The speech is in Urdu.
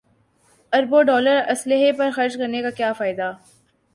اربوں ڈالر اسلحے پر خرچ کرنے کا کیا فائدہ